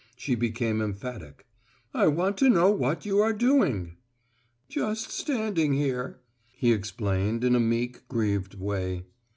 She became emphatic. "I want to know what you are doing." "Just standing here," he explained in a meek, grieved way.